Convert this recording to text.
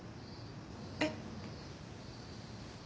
えっ？